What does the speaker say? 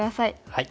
はい。